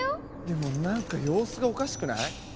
でもなんか様子がおかしくない？